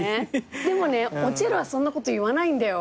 でもねおちぇるはそんなこと言わないんだよ。